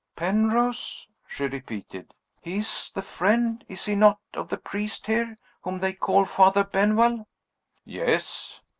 "Penrose?" she repeated. "He is the friend is he not of the priest here, whom they call Father Benwell?" "Yes."